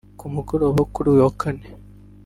Ku mugoroba wo kuri uyu wa Kane